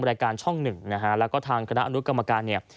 รายการช่องหนึ่งนะฮะแล้วก็ทางคณะอนุกรรมการเนี่ย